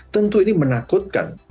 tentu ini menakutkan